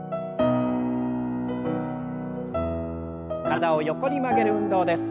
体を横に曲げる運動です。